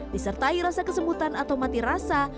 disertai rasa kesemutan atau mati rasa